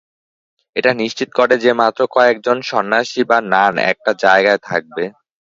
এটা নিশ্চিত করে যে, মাত্র কয়েক জন সন্ন্যাসী বা নান একটা জায়গায় থাকবে।